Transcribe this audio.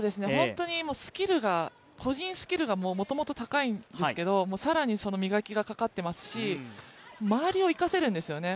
個人スキルが元々高いんですけど更に磨きがかかってますし周りを生かせるんですよね。